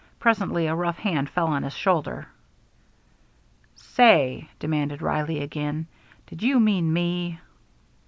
Presently a rough hand fell on his shoulder. "Say," demanded Reilly again, "did ye mean me?"